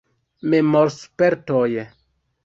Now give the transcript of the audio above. Memorspertoj.